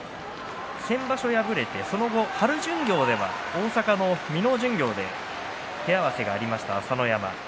先場所敗れてその後、春巡業では大阪の巡業で手合わせがありました、朝乃山。